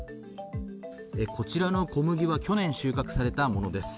こちらの小麦は去年、収穫されたものです。